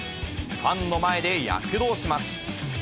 ファンの前で躍動します。